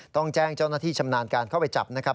ต้องแจ้งเจ้าหน้าที่ชำนาญการเข้าไปจับนะครับ